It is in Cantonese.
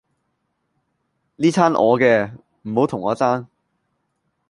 哩餐我嘅，唔好同我爭